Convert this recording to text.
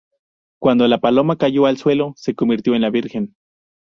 Cuando la paloma cayó al suelo se convirtió en la virgen.